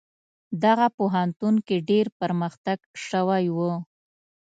دغه پوهنتون کې ډیر پرمختګ شوی و.